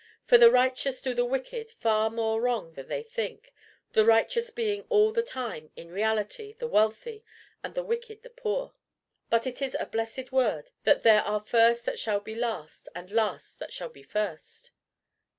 For the righteous do the wicked far more wrong than they think the righteous being all the time, in reality, the wealthy, and the wicked the poor. But it is a blessed word that there are first that shall be last, and last that shall be first."